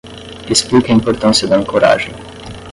Explique a importância da ancoragem